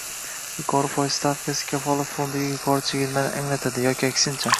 Yuqori foiz stavkasi kafolat fondiga yuqori chegirmani anglatadi yoki aksincha